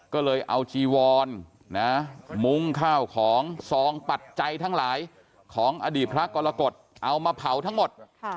ก็เลยเอาจีวรมุ้งข้าวของซองปัจจัยทั้งหลายของอดีตพระกรกฎเอามาเผาทั้งหมด